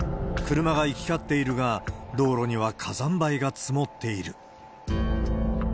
車が行き交っているが、道路には火山灰が積もっている。